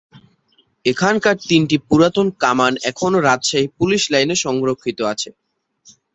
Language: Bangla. এখানকার তিনটি পুরাতন কামান এখনও রাজশাহী পুলিশ লাইন এ সংরক্ষিত আছে।